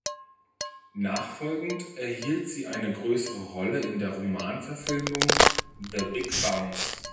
Nachfolgend erhielt sie eine größere Rolle in der Roman-Verfilmung "The Big Bounce".